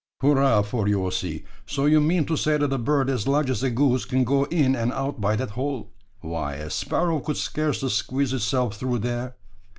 "Hurrah for you, Ossy! So you mean to say that a bird as large as a goose can go in and out by that hole? Why, a sparrow could scarcely squeeze itself through there!"